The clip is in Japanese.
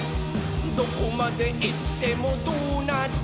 「どこまでいってもドーナツ！」